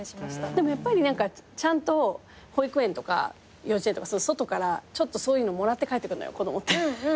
でもやっぱりちゃんと保育園とか幼稚園とか外からちょっとそういうのもらって帰ってくんのよ子供って。